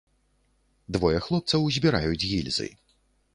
Двое хлопцаў збіраюць гільзы.